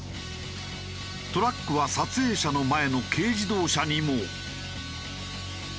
トラックは撮影者の前の軽自動車にも。